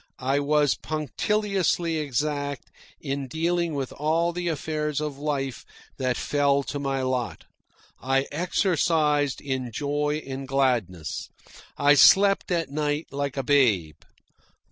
I was punctiliously exact in dealing with all the affairs of life that fell to my lot. I exercised in joy and gladness. I slept at night like a babe.